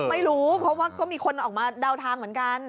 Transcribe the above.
ไม่รู้เพราะว่าก็มีคนออกมาเดาทางเหมือนกัน